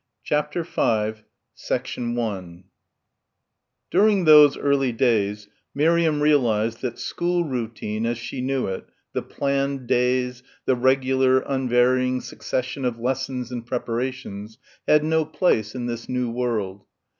CHAPTER V 1 During those early days Miriam realised that school routine, as she knew it the planned days the regular unvarying succession of lessons and preparations, had no place in this new world.